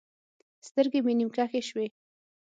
سترګې مې نيم کښې سوې.